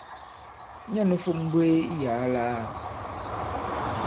Nyɛ nū fȏm m̀mbwēē iyàa lāā.